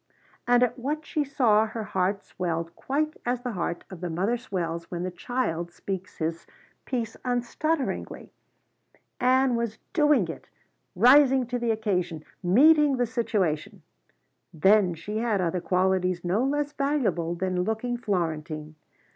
And at what she saw her heart swelled quite as the heart of the mother swells when the child speaks his piece unstutteringly. Ann was doing it! rising to the occasion meeting the situation. Then she had other qualities no less valuable than looking Florentine.